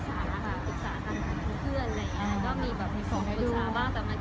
เราคิดไว้ว่าจะหลุมมาจากใครด้วยสิคะที่เธอจะบอกคะ